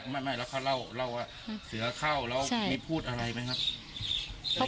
ไม่แล้วเขาเล่าว่าเสือเข้าแล้วมีพูดอะไรไหมครับ